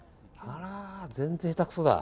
全然へたくそだ。